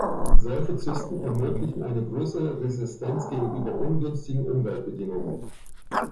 Solche Zysten ermöglichen eine größere Resistenz gegenüber ungünstigen Umweltbedingungen.